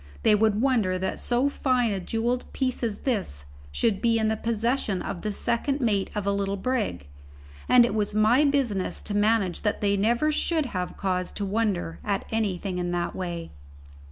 They would wonder that so fine a jewelled piece as this should be in the possession of the second mate of a little brig, and it was my business to manage that they never should have cause to wonder at anything in that way.